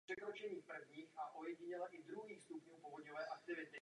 Mise nemůže být úspěšná bez aktivní účasti všech evropských zemí.